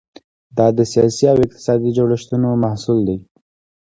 دا د سیاسي او اقتصادي جوړښتونو محصول دی.